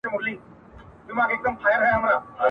اوښکه د باڼو پر سر تکیه یمه تویېږمه !.